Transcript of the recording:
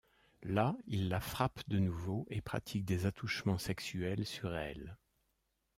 Là, il la frappe de nouveau et pratique des attouchements sexuels sur elle.